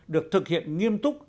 được thực hiện nghiêm túc